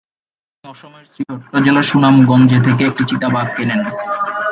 তিনি অসমের শ্রীহট্ট জেলার সুনামগঞ্জে থেকে একটি চিতাবাঘ কেনেন।